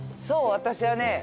そう私はね